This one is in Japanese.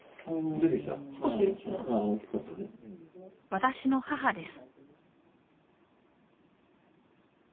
私の母です。